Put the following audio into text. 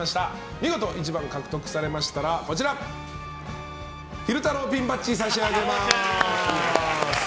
見事１番を獲得されましたら昼太郎ピンバッジ差し上げます。